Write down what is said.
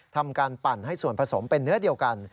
ทำการปั่นให้ส่วนผสมเป็นเนื้อเดียวกัน